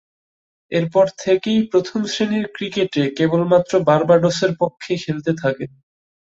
এরপর থেকেই প্রথম-শ্রেণীর ক্রিকেটে কেবলমাত্র বার্বাডোসের পক্ষে খেলতে থাকেন।